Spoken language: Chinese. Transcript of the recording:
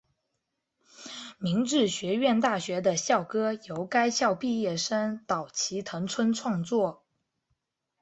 明治学院大学的校歌由该校毕业生岛崎藤村创作。